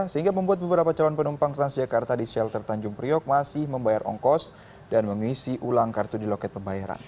sehingga membuat beberapa calon penumpang transjakarta di shelter tanjung priok masih membayar ongkos dan mengisi ulang kartu di loket pembayaran